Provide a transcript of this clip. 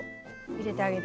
入れてあげる。